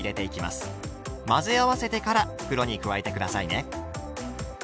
混ぜ合わせてから袋に加えて下さいね。